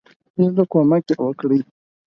هیله ده کومک یی وکړي.